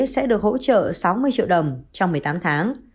sẽ được hỗ trợ sáu mươi triệu đồng trong một mươi tám tháng